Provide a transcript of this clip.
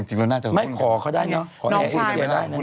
จริงแล้วน่าจะควรขอได้เนอะขอแอ้เสียด้านหน้า